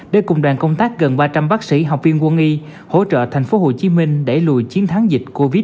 để cùng đoàn công tác gần ba trăm linh bác sĩ học viên quân y hỗ trợ thành phố hồ chí minh đẩy lùi chiến thắng dịch covid một mươi chín